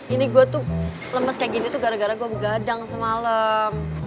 ini gue tuh lemes kayak gini tuh gara gara gue begadang semalam